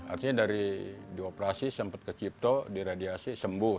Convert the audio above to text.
artinya dari dioperasi sempat kecipto diradiasi sembuh